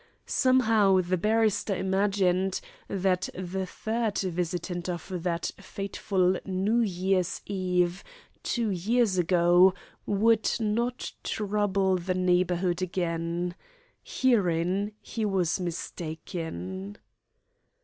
Somehow, the barrister imagined that the third visitant of that fateful New Year's Eve two years ago would not trouble the neighbourhood again. Herein he was mistaken.